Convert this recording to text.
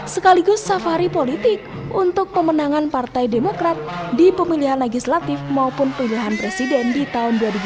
sekaligus safari politik untuk pemenangan partai demokrat di pemilihan legislatif maupun pilihan presiden di tahun dua ribu dua puluh